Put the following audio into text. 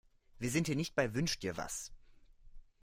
Wir sind hier nicht bei Wünsch-dir-was.